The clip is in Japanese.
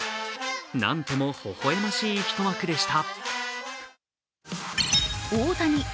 なんともほほ笑ましい一幕でした。